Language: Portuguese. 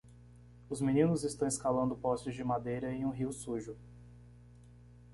Os meninos estão escalando postes de madeira em um rio sujo.